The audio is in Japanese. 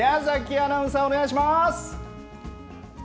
アナウンサー、お願いします